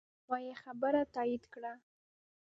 ما یې خبره تایید کړه.